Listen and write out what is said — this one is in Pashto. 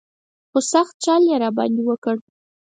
خو سخت چل یې را باندې وکړ.